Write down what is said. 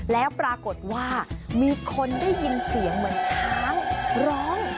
แล้วปรากฏว่ามีคนได้ยินเสียงเหมือนช้างร้อง